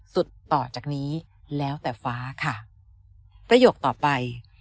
ต่อจากนี้แล้วแต่ฟ้าค่ะประโยคต่อไป